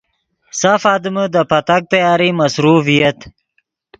سف آدمے دے پتاک تیاری مصروف ڤییت